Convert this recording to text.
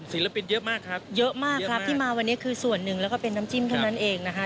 ศิลปินเยอะมากครับเยอะมากครับที่มาวันนี้คือส่วนหนึ่งแล้วก็เป็นน้ำจิ้มเท่านั้นเองนะฮะ